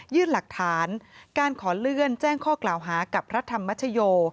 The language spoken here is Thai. หลักฐานการขอเลื่อนแจ้งข้อกล่าวหากับพระธรรมชโย